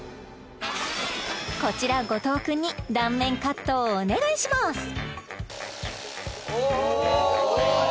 こちら後藤君に断面カットをお願いしますおお！